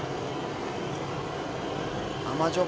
甘じょっ